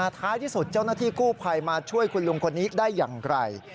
ท้ายที่สุดเจ้าหน้าที่กู้ภัยมาช่วยคุณลุงคนนี้ได้อย่างไร